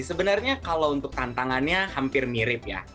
sebenarnya kalau untuk tantangannya hampir mirip ya